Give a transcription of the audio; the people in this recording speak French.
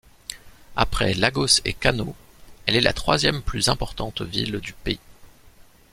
Après Lagos et Kano, elle est la troisième plus importante ville du pays.